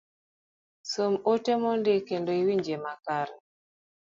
Som ote mondi kendo iwinje makare